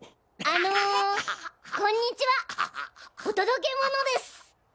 あのこんにちは。お届け物です。